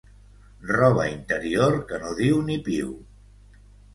Roba interior que no diu ni piu.